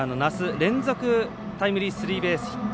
連続タイムリースリーベースヒット。